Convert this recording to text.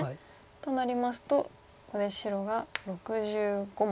となりますとここで白が６５目。